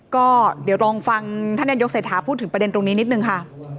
ก็เดี๋ยวลองฟังท่านนายกเศรษฐาพูดถึงประเด็นตรงนี้นิดนึงค่ะ